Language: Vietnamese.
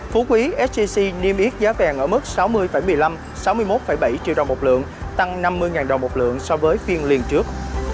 phú quý sgc niêm yết giá vàng ở mức sáu mươi một mươi năm sáu mươi một bảy triệu đồng một lượng tăng năm mươi đồng một lượng so với phiên liền trước